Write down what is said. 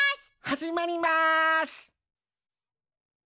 はじまります！